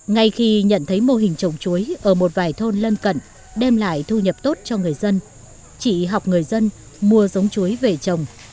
ngay khi nhận thấy mô hình trồng chuối ở một vài thôn lân cận đem lại thu nhập tốt cho người dân chị học người dân mua giống chuối về trồng